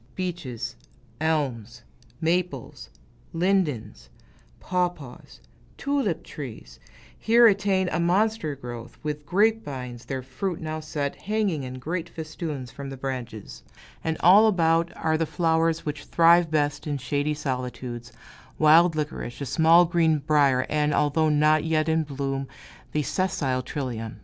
Beeches, elms, maples, lindens, pawpaws, tulip trees, here attain a monster growth, with grape vines, their fruit now set, hanging in great festoons from the branches; and all about, are the flowers which thrive best in shady solitudes wild licorice, a small green brier, and, although not yet in bloom, the sessile trillium.